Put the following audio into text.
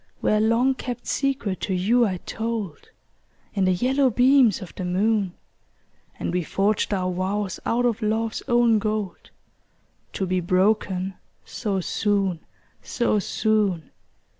Where a long kept secret to you I told, In the yellow beams of the moon, And we forged our vows out of love's own gold, To be broken so soon, so soon!